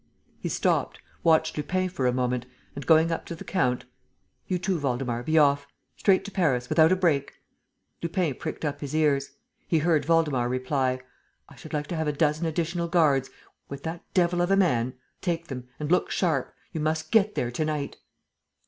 He stopped, watched Lupin for a moment and, going up to the count: "You too, Waldemar, be off ... Straight to Paris, without a break ..." Lupin pricked up his ears. He heard Waldemar reply: "I should like to have a dozen additional guards. ... With that devil of a man. ..." "Take them. And look sharp. You must get there to night."